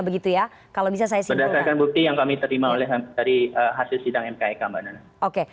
berdasarkan bukti yang kami terima dari hasil sidang mkek mbak nana